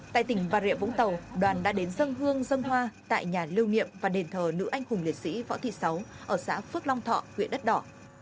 tại tỉnh bà rịa vũng tàu đoàn đã đến dân hương dân hoa tại nhà lưu niệm và đền thờ nữ anh hùng liệt sĩ võ thị sáu ở xã phước long thọ huyện đất đỏ